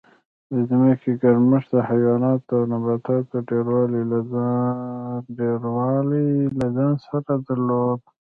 د ځمکې ګرمښت د حیواناتو او نباتاتو ډېروالی له ځان سره درلود